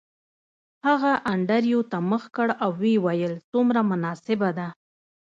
هغه انډریو ته مخ کړ او ویې ویل څومره مناسبه ده